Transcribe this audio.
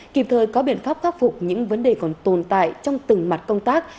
kịp thời có biện pháp khắc phục những vấn đề còn tồn tại trong từng mặt công tác